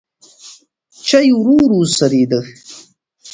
چای ورو ورو سړېده.